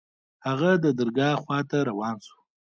هغه د درګاه خوا ته روان سو.